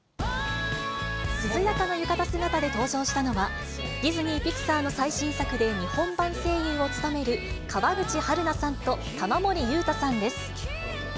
涼やかな浴衣姿で登場したのは、ディズニー・ピクサーの最新作で日本版声優を務める川口春奈さんと、玉森裕太さんです。